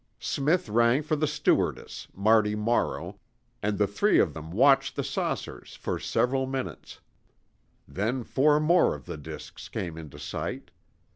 Smith rang for the stewardess, Marty Morrow, and the three of them watched the saucers for several minutes. Then four more of the disks came into sight.